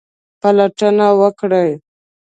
پلټنه وکړئ